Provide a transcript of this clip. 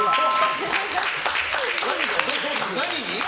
何に？